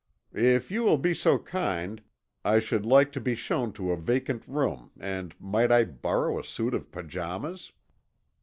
"If you will be so kind I should like to be shown to a vacant room and might I borrow a suit of pajamas?"